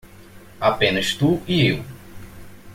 Apenas tu e eu.